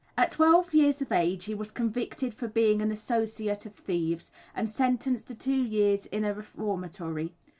At twelve years of age he was convicted for being an "associate of thieves," and sentenced to two years in a reformatory.